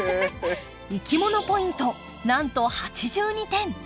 いきものポイントなんと８２点！